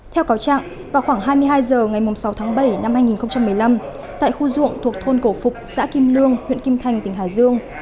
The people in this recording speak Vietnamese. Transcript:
theo cáo trạng vào khoảng hai mươi hai h ngày sáu tháng bảy năm hai nghìn một mươi năm tại khu ruộng thuộc thôn cổ phục xã kim lương huyện kim thành tỉnh hải dương